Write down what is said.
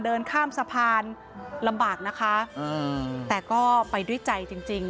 เดินข้ามสะพานลำบากนะคะแต่ก็ไปด้วยใจจริงจริง